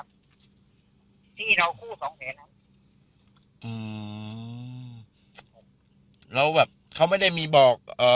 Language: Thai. ที่เรากู้สองแสนครับอืมแล้วแบบเขาไม่ได้มีบอกเอ่อ